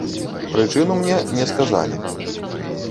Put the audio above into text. Прычыну мне не сказалі.